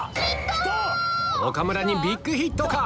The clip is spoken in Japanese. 岡村にビッグヒットか⁉